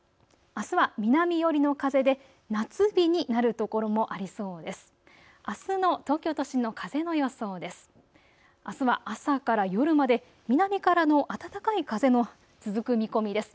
あすは南寄りの風で夏日になる所もありそうです。